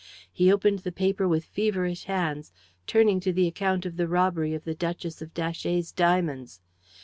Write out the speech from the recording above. He opened the paper with feverish hands, turning to the account of the robbery of the Duchess of Datchet's diamonds.